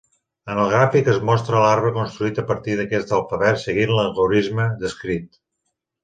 En el gràfic es mostra l'arbre construït a partir d'aquest alfabet seguint l'algorisme descrit.